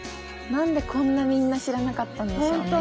何でこんなみんな知らなかったんでしょうね。